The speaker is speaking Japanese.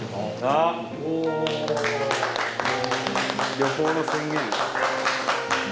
旅行の宣言。